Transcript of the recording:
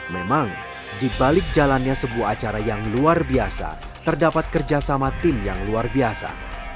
memang di balik jalannya sebuah acara yang luar biasa terdapat kerjasama tim yang luar biasa